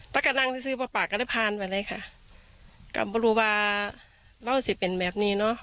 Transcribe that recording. ตะกะนั่งที่ซื้อปลอดปากก็เลยผ่านไปเลยค่ะก็ไม่รู้ว่าเล่าสิเป็นแบบนี้เนอะ